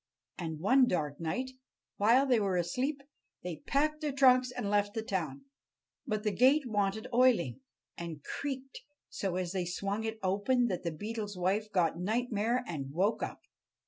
And one dark night, while they were asleep, they packed their trunks and left the town. But the gate wanted oiling, and creaked so as they swung it open that the Beetle's wife got nightmare and woke up.